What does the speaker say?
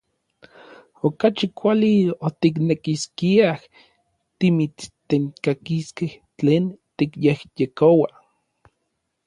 Okachi kuali otiknekiskiaj timitstenkakiskej tlen tikyejyekoua.